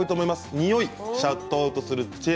においをシャットアウトする知恵。